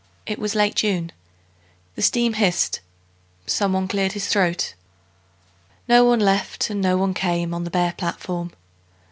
It was late June. The steam hissed. Someone cleared his throat. No one left and no one came On the bare platform.